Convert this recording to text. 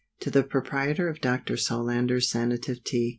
_To the Proprietor of Dr. Solander's Sanative Tea.